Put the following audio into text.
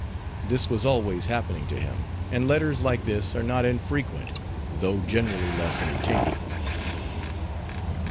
This was always happening to him, and letters like this are not infrequent, though generally less entertaining.